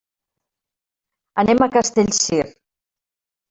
Anem a Castellcir.